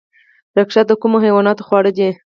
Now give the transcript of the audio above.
رشقه د کومو حیواناتو خواړه دي؟